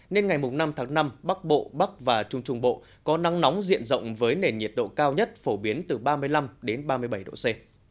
nên ngày năm tháng năm bắc bộ bắc và trung trung bộ có nắng nóng diện rộng với nền nhiệt độ cao nhất phổ biến từ ba mươi năm ba mươi bảy độ c